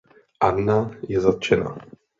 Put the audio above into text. Anna je zatčena.